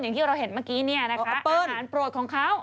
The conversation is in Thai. อย่างที่เราเห็นเมื่อกี้เนี่ยนะคะเขาเปิ้ลโปรดของเขา